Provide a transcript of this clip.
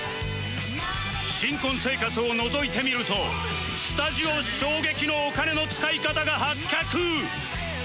新婚生活をのぞいてみるとスタジオ衝撃のお金の使い方が発覚！